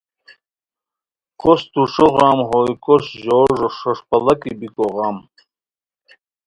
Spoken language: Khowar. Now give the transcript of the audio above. کوس توݰو غم ہوئے، کوس ژو ݰوݰ پڑاکی بیکو غم